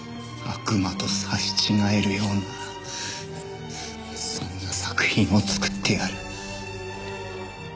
悪魔と刺し違えるようなそんな作品を作ってやる。